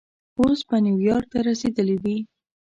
اوس به نیویارک ته رسېدلی وې.